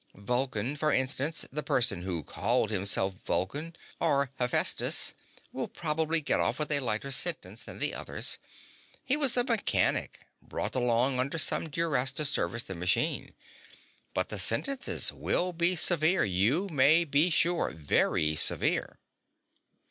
Vulcan, for instance the person who called himself Vulcan, or Hephaestus will probably get off with a lighter sentence than the others. He was a mechanic, brought along under some duress to service the machine. But the sentences will be severe, you may be sure. Very severe."